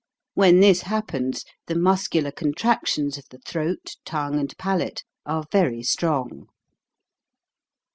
When this happens the muscular contractions of the throat, tongue, and palate are very strong.